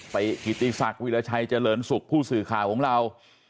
ติกิติศักดิราชัยเจริญสุขผู้สื่อข่าวของเรา